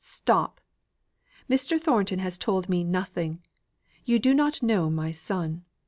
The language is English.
"Stop. Mr. Thornton has told me nothing. You do not know my son.